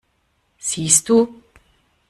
Siehst du?